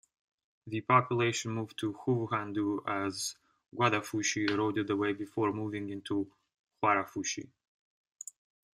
The population moved to Huvuhandhoo as Gudhanfushi eroded away before moving onto Hoarafushi.